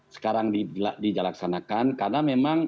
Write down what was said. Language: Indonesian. sekarang di indonesia kita menerima pariwisata yang berkualitas dan bermartabat